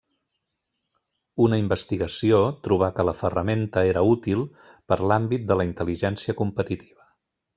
Una investigació trobà que la ferramenta era útil per a l'àmbit de la intel·ligència competitiva.